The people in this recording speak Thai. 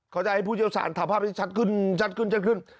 เขาจะให้ผู้เจ้าสารถามภาพที่ชัดขึ้น